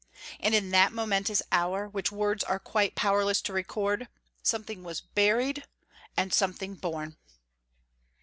And in that momentous hour which words are quite powerless to record, something was buried, and something born.